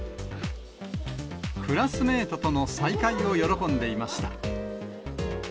クラスメートとの再会を喜んでいました。